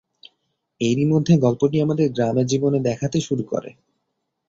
এরই মধ্যে গল্পটি আমাদের গ্রামের জীবন দেখাতে শুরু করে।